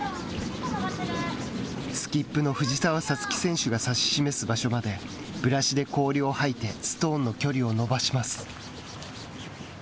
スキップの藤澤五月選手が指し示す場所までブラシで氷を掃いてストーンの距離を伸ばします。